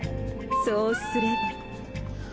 そうすれば。